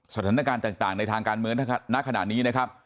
สถานการณ์ต่างในทางการเมืองณขณะนี้นะครับ